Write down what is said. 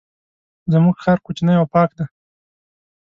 زمونږ ښار کوچنی او پاک دی.